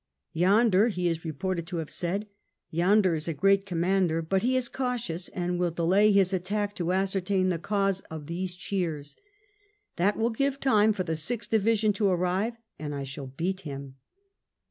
" Yonder," he is reported to have said, "yonder is a great commander, but he is cautious, and will delay his attack to ascertain the cause of these cheers; that i84 WELLINGTON chap. will give time for the Sixth Division to arrive and I shall beat him."